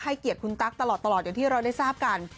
เกียรติคุณตั๊กตลอดอย่างที่เราได้ทราบกัน